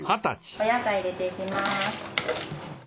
お野菜入れていきます。